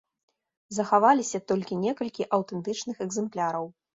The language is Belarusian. Захавалася толькі некалькі аўтэнтычных экземпляраў.